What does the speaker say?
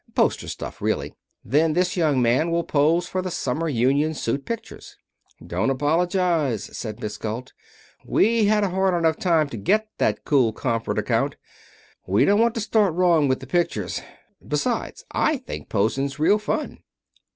Poster stuff, really. Then this young man will pose for the summer union suit pictures." "Don't apologize," said Miss Galt. "We had a hard enough time to get that Kool Komfort account. We don't want to start wrong with the pictures. Besides, I think posing's real fun."